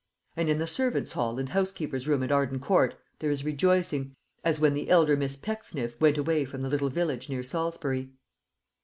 And in the servants' hall and housekeeper's room at Arden Court there is rejoicing, as when the elder Miss Pecksniff went away from the little village near Salisbury.